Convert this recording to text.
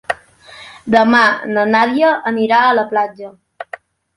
Demà na Nàdia anirà a la platja.